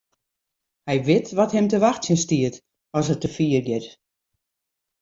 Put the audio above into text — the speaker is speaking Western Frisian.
Hy wit wat him te wachtsjen stiet as er te fier giet.